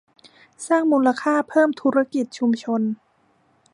สร้างมูลค่าเพิ่มธุรกิจชุมชน